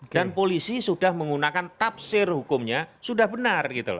dan polisi sudah menggunakan tafsir hukumnya sudah benar gitu loh